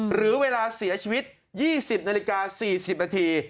หรือเวลาเสียชีวิต๒๐นาฬิกา๔๐นาที